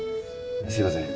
すいません。